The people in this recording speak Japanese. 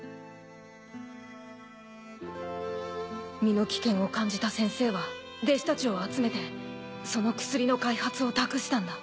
身の危険を感じた先生は弟子たちを集めてその薬の開発を託したんだ。